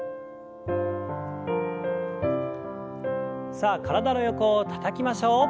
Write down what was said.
さあ体の横をたたきましょう。